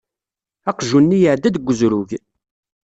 Aqjun-nni iɛedda-d deg uzrug.